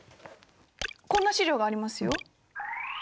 こんな資料がありますよ。